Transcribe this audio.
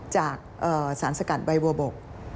จากสารสกัดใบบัวบก